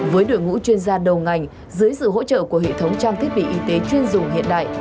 với đội ngũ chuyên gia đầu ngành dưới sự hỗ trợ của hệ thống trang thiết bị y tế chuyên dùng hiện đại